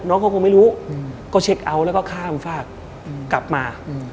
น้องเขาคงไม่รู้ก็เช็คเอาท์แล้วก็ข้ามฝากกลับมา